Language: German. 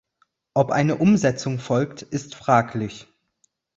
Ob eine Umsetzung folgt, ist fraglich.